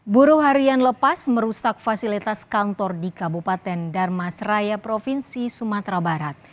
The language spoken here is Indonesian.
buruh harian lepas merusak fasilitas kantor di kabupaten darmas raya provinsi sumatera barat